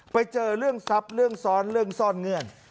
ไปเจอเรื่องทรัพย์เรื่องซ้อนเรื่องซ่อนเงื่อน